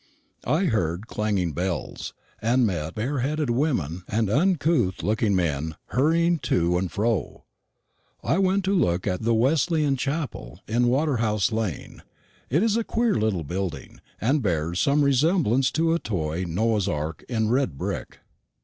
I heard clanging bells, and met bare headed women and uncouth looking men hurrying to and fro. I went to look at the Wesleyan chapel in Waterhouse lane. It is a queer little building, and bears some resemblance to a toy Noah's Ark in red brick.